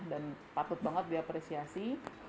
dan patut banget diapresiasi